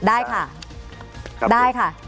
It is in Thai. ได้ค่ะได้ค่ะ